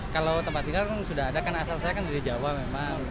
kalau tempat tinggal sudah ada kan asal saya kan dari jawa memang